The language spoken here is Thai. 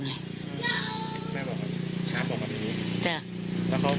แม่บอกช้าบอกแบบนี้